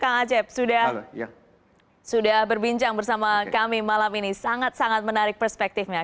kang acep sudah berbincang bersama kami malam ini sangat sangat menarik perspektifnya